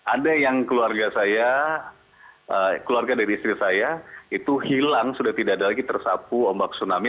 ada yang keluarga saya keluarga dari istri saya itu hilang sudah tidak ada lagi tersapu ombak tsunami